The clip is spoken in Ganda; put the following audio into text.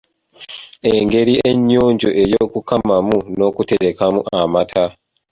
Engeri ennyonjo ey’okukamamu n’okuterekamu amata